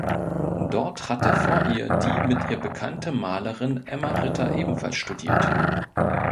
Dort hatte vor ihr die mit ihr bekannte Malerin Emma Ritter ebenfalls studiert.